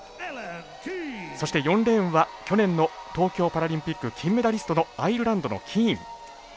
そして、４レーンは去年の東京パラリンピック金メダリストのアイルランドのキーン。